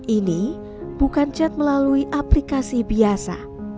ini bukan chat melalui aplikasi biasa